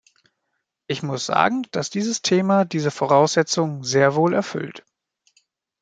Ich muss sagen, dass dieses Thema diese Voraussetzung sehr wohl erfüllt.